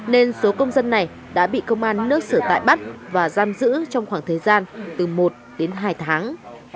nên số công dân này đã bị công an nước sửa tại bắt và giam giữ trong khoảng thời gian từ một đến hai tháng